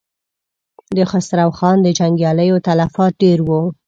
د خسرو خان د جنګياليو تلفات ډېر و.